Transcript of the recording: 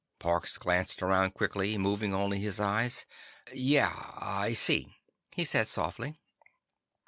Parks glanced around quickly, moving only his eyes. "Yeah. I see," he said softly.